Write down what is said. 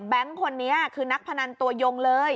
คนนี้คือนักพนันตัวยงเลย